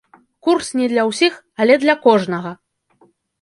Курс не для ўсіх, але для кожнага!